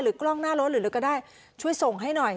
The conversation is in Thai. กล้องหน้ารถหรืออะไรก็ได้ช่วยส่งให้หน่อย